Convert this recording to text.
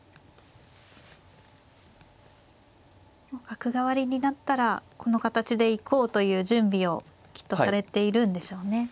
角換わりになったらこの形で行こうという準備をきっとされているんでしょうね。